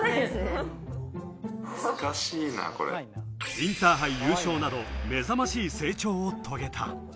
インターハイ優勝など目覚ましい成長を遂げた。